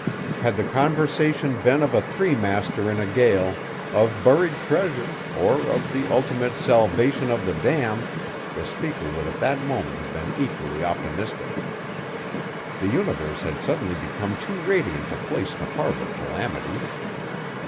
Had the conversation been of a three master in a gale; of buried treasure; or of the ultimate salvation of the damned, the speaker would at that moment have been equally optimistic. The universe had suddenly become too radiant a place to harbor calamity.